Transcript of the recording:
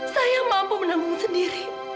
saya mampu menanggung sendiri